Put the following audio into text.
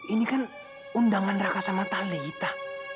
ini kan undangan raka sama talita